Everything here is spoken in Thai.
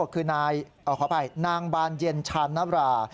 คือนายขออภัยนางบานเย็นชานบรา